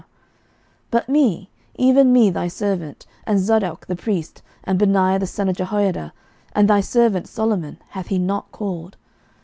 11:001:026 But me, even me thy servant, and Zadok the priest, and Benaiah the son of Jehoiada, and thy servant Solomon, hath he not called.